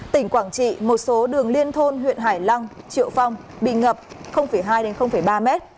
tỉnh quảng trị một số đường liên thôn huyện hải lăng triệu phong bị ngập hai ba mét